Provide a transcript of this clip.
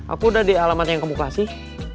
aku udah di alamat yang kebuka sih